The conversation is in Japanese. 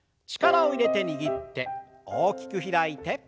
力を入れて握って大きく開いて。